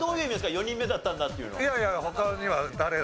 「４人目だったんだ」っていうのは。